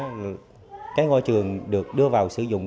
rất là vui mừng khi cái ngôi trường được đưa vào sử dụng